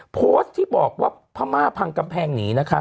โพสต์ที่บอกว่าพม่าพังกำแพงหนีนะคะ